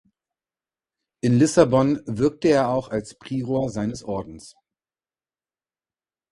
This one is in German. In Lissabon wirkte er auch als Prior seines Ordens.